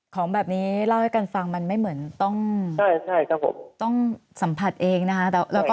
ของแบบนี้เล่าให้กันฟังมันไม่เหมือนต้องสัมผัสเองนะครับ